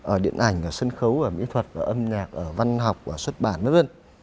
ở điện ảnh ở sân khấu ở mỹ thuật ở âm nhạc ở văn học ở xuất bản mất dân